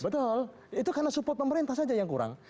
betul itu karena support pemerintah saja yang kurang